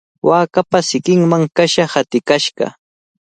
Waakapa sinqanman kasha hatikashqa.